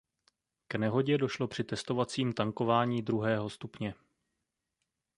K nehodě došlo při testovacím tankování druhého stupně.